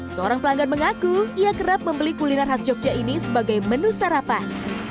seorang pelanggan mengaku ia kerap membeli kuliner khas jogja ini sebagai menu sarapan